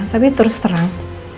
tapi terus terang